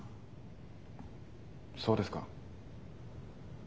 そうですか？